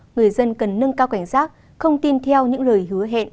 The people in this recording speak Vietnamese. người dân cần nâng cao cảnh giác không tin theo những lời hứa hẹn